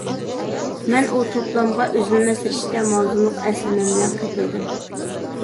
مەن ئۇ توپلامغا «ئۈزۈلمەس رىشتە» ماۋزۇلۇق ئەسلىمەم بىلەن قېتىلدىم.